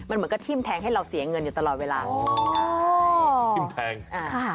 มันเหมือนก็ทิ้มแทงให้เราเสียเงินอยู่ตลอดเวลาทิ้มแทงอ่า